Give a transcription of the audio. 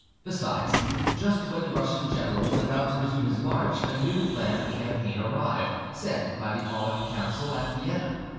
Besides, just when the Russian general was about to resume his march, a new plan of campaign arrived, sent by the Aulic Council at Vienna.